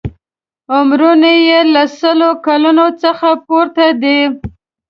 عمرونه یې له سلو کالونو څخه پورته دي.